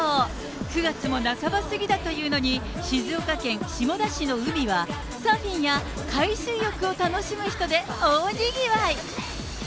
９月も半ば過ぎだというのに、静岡県下田市の海はサーフィンや海水浴を楽しむ人で大賑わい。